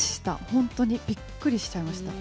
本当に、びっくりしちゃいました。